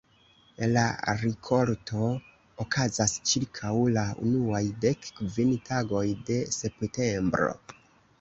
La rikolto okazas ĉirkaŭ la unuaj dek kvin tagoj de septembro.